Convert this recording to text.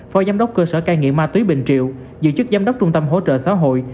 phó giám đốc cơ sở cai nghiện ma túy bình triệu giữ chức giám đốc trung tâm hỗ trợ xã hội